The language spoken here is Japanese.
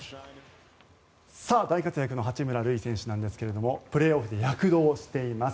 大活躍の八村塁選手ですがプレーオフで躍動しています。